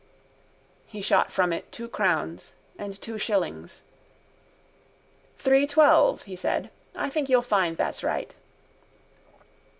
He shot from it two crowns and two shillings. —Three twelve, he said. I think you'll find that's right.